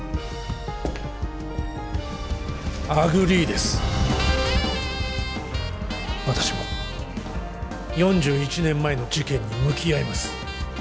アグリーです私も４１年前の事件に向き合います